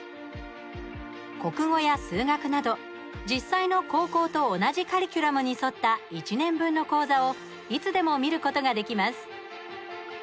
国語や数学など実際の高校と同じカリキュラムに沿った１年分の講座をいつでも見ることができます。